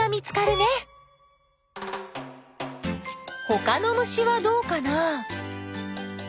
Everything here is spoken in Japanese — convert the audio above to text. ほかの虫はどうかな？